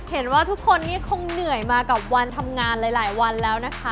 เห็นว่าทุกคนนี่คงเหนื่อยมากับวันทำงานหลายวันแล้วนะคะ